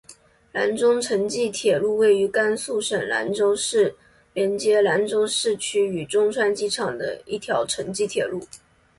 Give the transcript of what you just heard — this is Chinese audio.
兰中城际铁路位于甘肃省兰州市是连接兰州市区与中川机场的一条城际铁路。